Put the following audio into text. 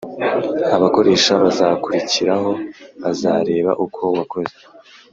Abakoresha bazakurikiraho bazareba uko wakoze